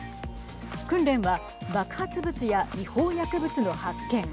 訓練は爆発物や違法薬物の発見。